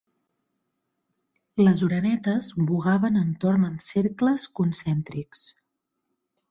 Les orenetes vogaven entorn en cercles concèntrics.